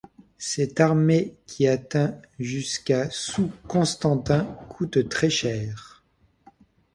Cette armée qui atteint jusqu'à sous Constantin coûte très cher.